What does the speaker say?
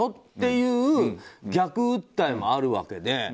っていう逆訴えもあるわけで。